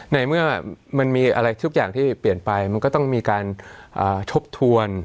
ในเมื่อมันมีอะไรทุกอย่างที่เปลี่ยนไปมันก็ต้องมีการทบทวน